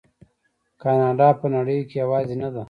کاناډا په نړۍ کې یوازې نه ده.